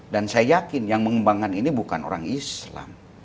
dan saya yakin yang mengembangkan ini bukan orang islam